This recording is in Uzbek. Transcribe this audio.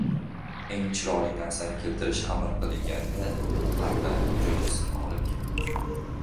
• Eng chiroyli narsani keltirish amr qilinganida, qarg‘a jo‘jasini olib keldi.